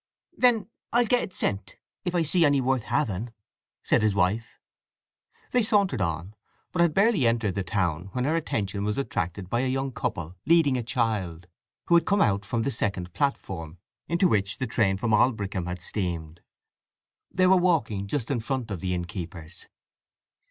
"Then I'll get it sent, if I see any worth having," said his wife. They sauntered on, but had barely entered the town when her attention was attracted by a young couple leading a child, who had come out from the second platform, into which the train from Aldbrickham had steamed. They were walking just in front of the inn keepers.